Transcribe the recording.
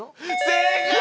正解！